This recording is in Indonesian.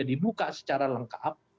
sudah dibuka secara lengkap